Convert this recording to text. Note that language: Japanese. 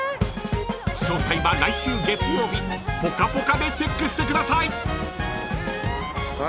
［詳細は来週月曜日『ぽかぽか』でチェックしてください］